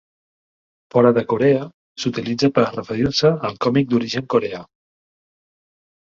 Fora de Corea s'utilitza per a referir-se al còmic d'origen coreà.